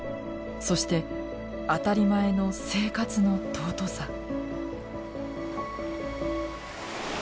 そして当たり前の「生活」の尊さ。